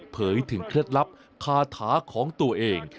เผยถึงเคล็ดลับคาถาของตัวเอง